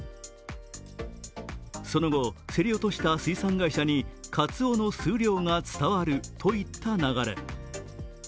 その後競り落とした水産会社にかつおの数量が伝わるといった流れ。